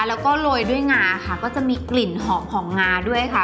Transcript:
แล้วก็โรยด้วยงาค่ะก็จะมีกลิ่นหอมของงาด้วยค่ะ